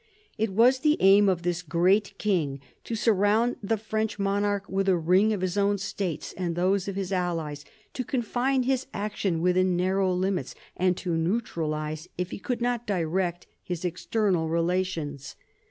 It was the aim of this great king to surround the French monarch with a ring of his own states and those of his allies, to confine his action within narrow limits, and to neutralise, if he could not direct, his external relations.